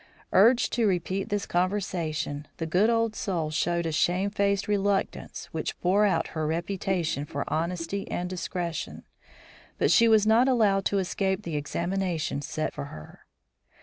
Urged to repeat this conversation, the good old soul showed a shamefaced reluctance which bore out her reputation for honesty and discretion. But she was not allowed to escape the examination set for her.